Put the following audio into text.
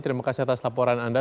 terima kasih atas laporan anda